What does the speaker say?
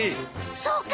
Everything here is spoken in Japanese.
そうか！